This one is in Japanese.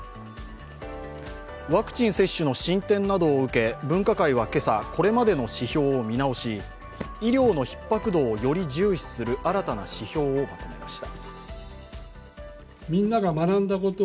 ワクチン接種の進展などを受け、分科会は今朝これまでの指標を見直し、医療のひっ迫度をより重視する新たな指標をまとめました。